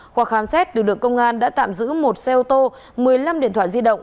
qua khám xét lực lượng công an đã tạm giữ một xe ô tô một mươi năm điện thoại di động